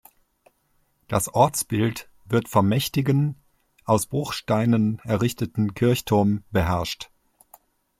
Das Ortsbild wird vom mächtigen, aus Bruchsteinen errichteten Kirchturm beherrscht.